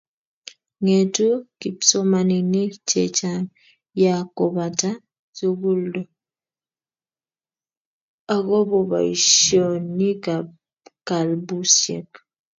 ng'etu kipsomaninik che chang' ya kobata sukuldo akobo boisionikab kalbusiek